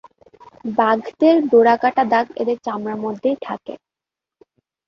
বাঘ দের ডোরাকাটা দাগ এদের চামড়ার মধ্যেই থাকে।